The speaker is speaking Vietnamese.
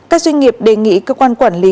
các doanh nghiệp đề nghị cơ quan quản lý